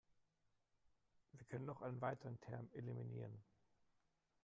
Wir können noch einen weiteren Term eliminieren.